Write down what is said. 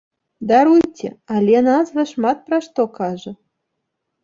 Даруйце, але назва шмат пра што кажа.